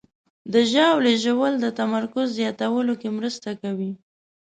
د ژاولې ژوول د تمرکز زیاتولو کې مرسته کوي.